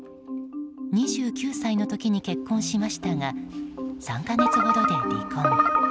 ２９歳の時に結婚しましたが３か月ほどで離婚。